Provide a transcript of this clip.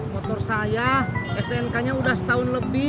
motor saya stnk nya udah setahun lebih